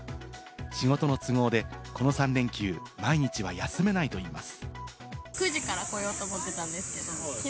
仕事の都合でこの３連休、毎日は休めないといいます。